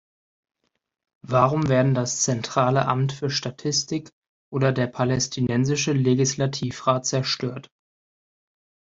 Warum werden das Zentrale Amt für Statistik oder der Palästinensische Legislativrat zerstört?